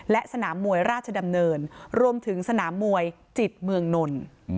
และสนามมวยราชดำเนินรวมถึงสนามมวยจิตเมืองนนท์